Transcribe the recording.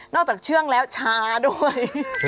จากเชื่องแล้วชาด้วย